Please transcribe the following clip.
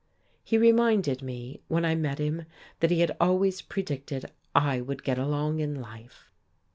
He reminded me, when I met him, that he had always predicted I would get along in life....